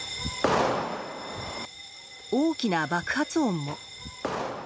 大きな爆発音も。